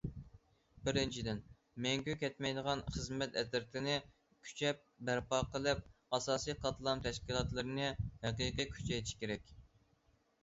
بىرىنچىدىن، مەڭگۈ كەتمەيدىغان خىزمەت ئەترىتىنى كۈچەپ بەرپا قىلىپ، ئاساسىي قاتلام تەشكىلاتلىرىنى ھەقىقىي كۈچەيتىش كېرەك.